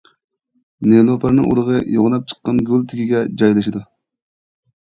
نېلۇپەرنىڭ ئۇرۇقى يوغىناپ چىققان گۈل تېگىگە جايلىشىدۇ.